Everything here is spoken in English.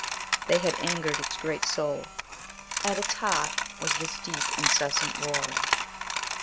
They had angered its great soul. At its heart was this deep, incessant roaring.